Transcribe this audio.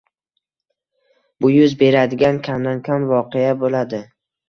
Bu yuz beradigan kamdan-kam voqea boʻladi.